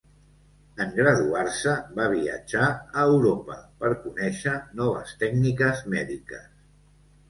En graduar-se, va viatjar a Europa per conèixer noves tècniques mèdiques.